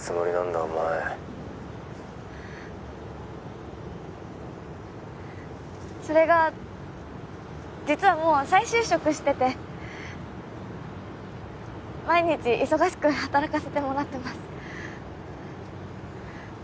お前それが実はもう再就職してて毎日忙しく働かせてもらってます